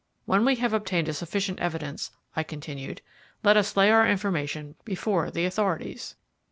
When we have obtained sufficient evidence," I continued, "let us lay our information before the authorities."